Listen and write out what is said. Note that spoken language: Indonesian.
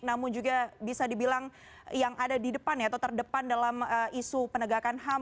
namun juga bisa dibilang yang ada di depan ya atau terdepan dalam isu penegakan ham